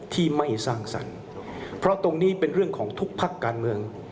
ที่ไม่สร้างสรรค์เพราะตรงนี้เป็นเรื่องของทุกพักการเมือง